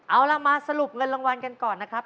เอาล่ะมาสรุปเงินรางวัลกันก่อนนะครับ